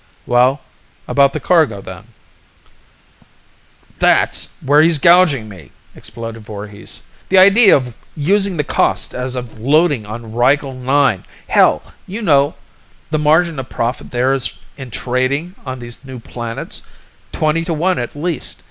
"Well ... about the cargo, then?" "That's where he's gouging me!" exploded Voorhis. "The idea of using the cost as of loading on Rigel IX! Hell, you know the margin of profit there is in trading on these new planets, twenty to one at least.